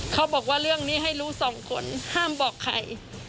เขาบอกว่าเรื่องนี้ให้รู้สองคนห้ามบอกใคร